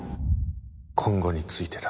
今後についてだ。